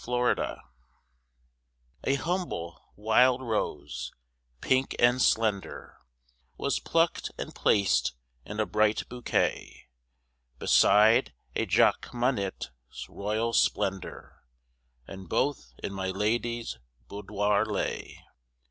TWO ROSES A humble wild rose, pink and slender, Was plucked and placed in a bright bouquet, Beside a Jacqueminot's royal splendour, And both in my lady's boudoir lay.